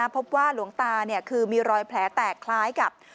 พบว่าหลวงตาคือมีรอยแผลแตกคล้ายกับ